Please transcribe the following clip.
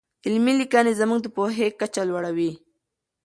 علمي لیکنې زموږ د پوهې کچه لوړوي.